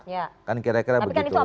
tapi kan itu opsinya sudah keluar